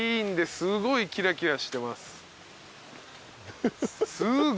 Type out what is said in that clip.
すごいキラキラしてます！